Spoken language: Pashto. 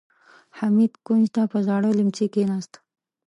حميد کونج ته پر زاړه ليمڅي کېناست.